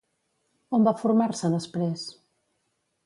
On va formar-se després?